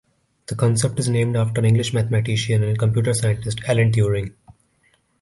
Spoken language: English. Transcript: The concept is named after English mathematician and computer scientist Alan Turing.